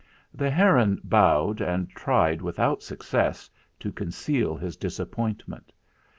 The heron bowed and tried, without success, to conceal his disappointment.